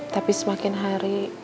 tapi semakin hari